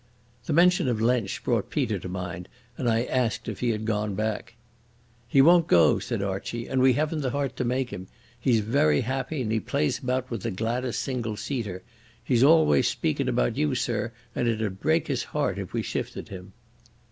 The mention of Lensch brought Peter to mind, and I asked if he had gone back. "He won't go," said Archie, "and we haven't the heart to make him. He's very happy, and plays about with the Gladas single seater. He's always speakin' about you, sir, and it'd break his heart if we shifted him."